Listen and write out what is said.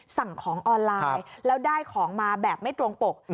สั่งของออนไลน์แล้วได้ของมาแบบไม่ตรงปก